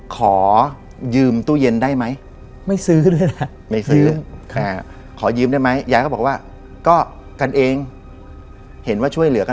ขอยืมตู้เย็นได้ไหม